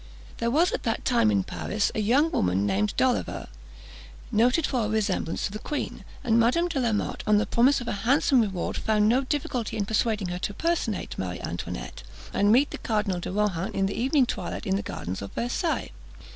There was at that time in Paris a young woman named D'Oliva, noted for her resemblance to the queen; and Madame de la Motte, on the promise of a handsome reward, found no difficulty in persuading her to personate Marie Antoinette, and meet the Cardinal de Rohan at the evening twilight in the gardens of Versailles.